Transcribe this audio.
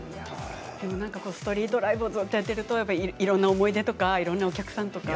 ストリートライブをずっとやっているといろんな思い出とかいろんなお客さんとか。